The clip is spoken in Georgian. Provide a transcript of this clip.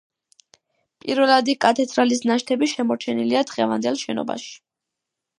პირველადი კათედრალის ნაშთები შემორჩენილია დღევანდელ შენობაში.